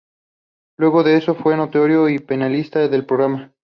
Luego de eso fue notero y panelista del programa.